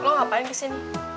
lo ngapain kesini